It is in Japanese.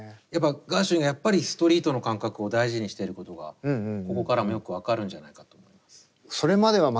ガーシュウィンがやっぱりストリートの感覚を大事にしてることがここからもよく分かるんじゃないかと思います。